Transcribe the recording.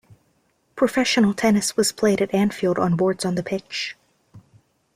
Professional tennis was played at Anfield on boards on the pitch.